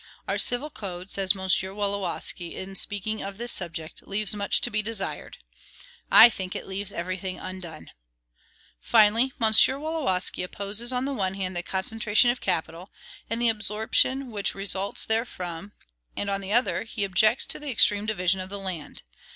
"Our civil code," says M. Wolowski, in speaking of this subject, "leaves much to be desired." I think it leaves every thing undone. Finally, M. Wolowski opposes, on the one hand, the concentration of capital, and the absorption which results therefrom; and, on the other, he objects to the extreme division of the land.